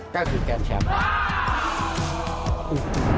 ก็คือแกนแชมป์